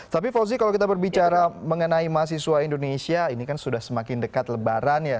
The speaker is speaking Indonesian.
tapi fauzi kalau kita berbicara mengenai mahasiswa indonesia ini kan sudah semakin dekat lebaran ya